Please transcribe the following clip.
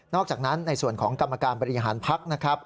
อกจากนั้นในส่วนของกรรมการบริหารพักนะครับ